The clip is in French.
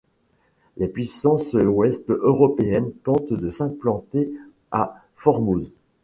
Les puissances ouest-européennes tentent de s'implanter à Formose.